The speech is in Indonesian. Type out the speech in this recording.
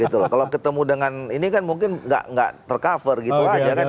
gitu loh kalau ketemu dengan ini kan mungkin nggak ter cover gitu aja kan